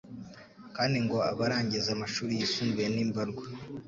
kandi ngo abarangiza amashuri yisumbuye ni mbarwa